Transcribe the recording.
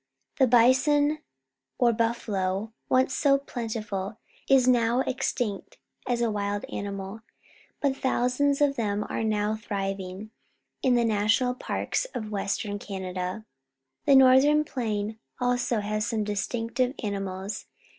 The bison, or buffalo, once so plentiful, is now ex tinct as a wild animal, but thousands of them are now thriving in the National Parks of AYestern Canada. The Northern Plain has also .some distinc tive animals.